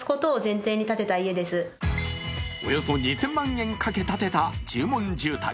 およそ２０００万円かけ建てた注文住宅。